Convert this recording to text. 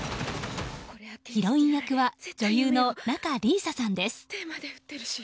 ヒロイン役は女優の仲里依紗さんです。